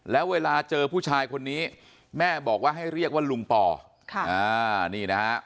แล้วเวลาเจอผู้ชายคนนี้แม่บอกว่าให้เรียกว่าลุงปอนี่นะฮะ